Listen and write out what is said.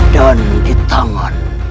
dan di tangan